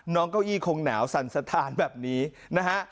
เก้าอี้คงหนาวสั่นสะทานแบบนี้นะฮะ